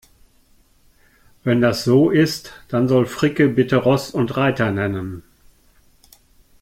Wenn das so ist, dann soll Fricke bitte Ross und Reiter nennen.